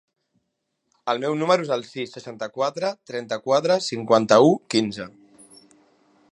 El meu número es el sis, seixanta-quatre, trenta-quatre, cinquanta-u, quinze.